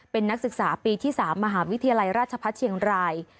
เป็นนักศึกษาปีที่๓มหาวิทยาลัยราชพัฒน์เชียงราย